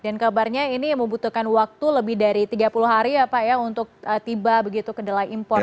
dan kabarnya ini membutuhkan waktu lebih dari tiga puluh hari ya pak ya untuk tiba begitu kedelai impor